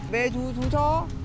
về chú cho